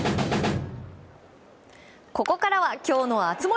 ここからはきょうの熱盛。